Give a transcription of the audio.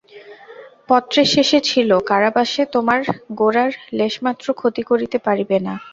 পত্রের শেষে ছিল– কারাবাসে তোমার গোরার লেশমাত্র ক্ষতি করিতে পারিবে না।